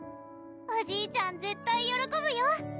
おじいちゃん絶対よろこぶよ！